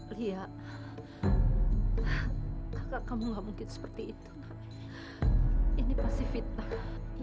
lihat kakak kamu gak mungkin seperti itu ini pasti fitnah